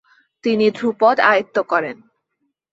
তিনি ধ্রুপদ আয়ত্ত করেন।